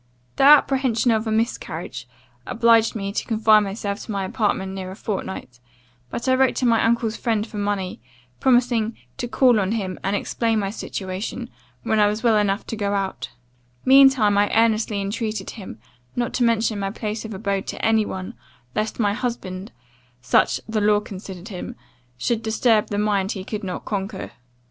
"The apprehension of a miscarriage, obliged me to confine myself to my apartment near a fortnight; but I wrote to my uncle's friend for money, promising 'to call on him, and explain my situation, when I was well enough to go out; mean time I earnestly intreated him, not to mention my place of abode to any one, lest my husband such the law considered him should disturb the mind he could not conquer.